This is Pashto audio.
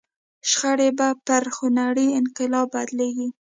شخړې به پر خونړي انقلاب بدلېږي.